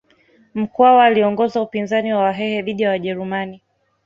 Mkwawa aliongoza upinzani wa wahehe dhidi ya wajerumani